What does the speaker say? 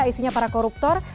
isinya para koruptor